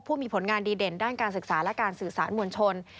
ผู้มีผลงานดีเด่นด้านการศึกษาและการสื่อสารมวลชน